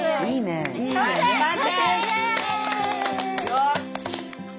よし！